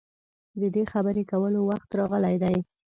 د دې خبرې کولو وخت راغلی دی.